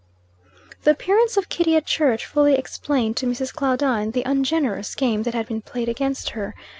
The appearance of Kitty at church, fully explained to Mrs. Claudine the ungenerous game that had been played against her.